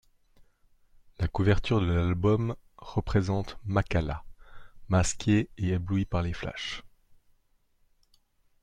La couverture de l'album représente Makala, masqué et ébloui par les flashes.